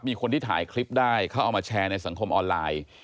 มีคนที่ถ่ายคลิปได้เขาเอามาแชร์ในสังคมออนไลน์